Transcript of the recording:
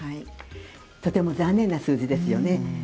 とても残念な数字ですよね。